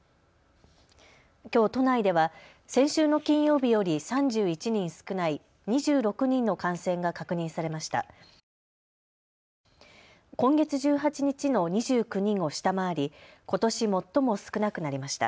きょう都内では先週の金曜日より３１人少ない２６人の感染が確認されました。